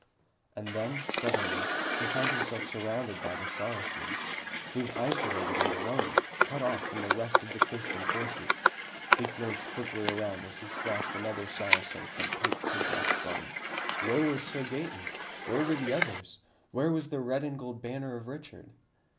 And then, suddenly, he found himself surrounded by the Saracens! He was isolated and alone, cut off from the rest of the Christian forces! He glanced quickly around as he slashed another Saracen from pate to breastbone. Where was Sir Gaeton? Where were the others? Where was the red and gold banner of Richard?